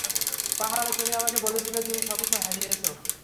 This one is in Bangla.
পাহাড়ে, তুমি আমাকে বলেছিলে তুমি সবকিছু হারিয়েছ।